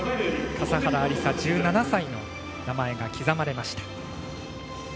笠原有彩、１７歳の名前が刻まれました。